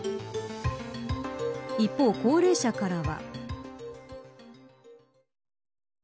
一方、高齢者からは。